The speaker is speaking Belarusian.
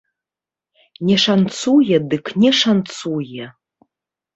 Не шанцуе дык не шанцуе.